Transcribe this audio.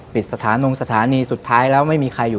ปิดสถานนงสถานีสุดท้ายแล้วไม่มีใครอยู่